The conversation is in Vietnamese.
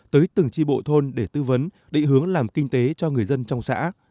tới từng tri bộ thôn để tư vấn định hướng làm kinh tế cho người dân trong xã